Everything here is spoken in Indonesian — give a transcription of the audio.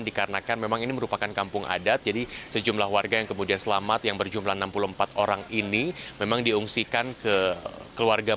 dikarenakan memang ini merupakan kampung adat jadi sejumlah warga yang kemudian selamat yang berjumlah enam puluh empat orang ini memang diungsikan ke keluarga